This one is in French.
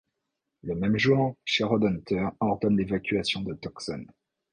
Le même jour, Sherrod Hunter ordonne l'évacuation de Tucson.